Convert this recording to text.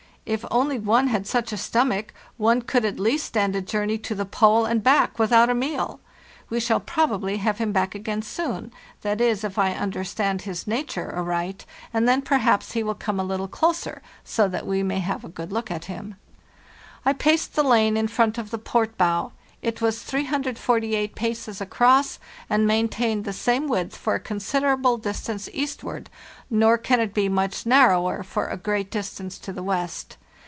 If only one had such a stomach one could at least stand a journey to the Pole and back without a meal. We shall probably ,|have him back again soon—that is, if I un derstand his nature aright—and then perhaps he will come a little closer, so that we may have a good look at him." "T paced the lane in front of the port bow. It was 348 paces across, and maintained the same width for a considerable distance eastward; nor can it be much * He did not return, after all. WE PREPARE FOR THE SLEDGE EXPEDITION 21 narrower for a great distance to the west.